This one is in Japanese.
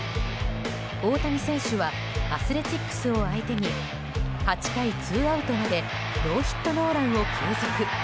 大谷選手はアスレチックスを相手に８回ツーアウトまでノーヒットノーランを継続。